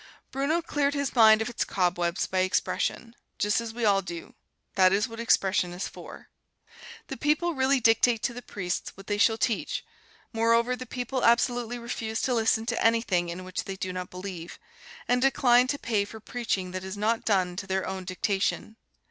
Bruno cleared his mind of its cobwebs by expression, just as we all do that is what expression is for. The people really dictate to the priests what they shall teach; moreover, the people absolutely refuse to listen to anything in which they do not believe, and decline to pay for preaching that is not done to their own dictation.